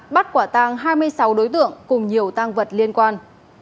bắt quả tang hai mươi sáu đối tượng cùng nhiều tang vật liên quan